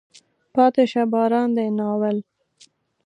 پاتې شه باران دی. ناول